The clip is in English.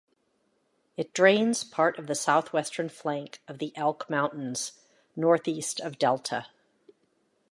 It drains part of the southwestern flank of the Elk Mountains northeast of Delta.